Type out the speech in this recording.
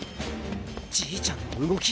じいちゃんの動き。